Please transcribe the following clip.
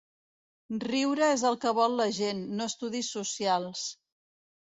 Riure és el que vol la gent, no estudis socials.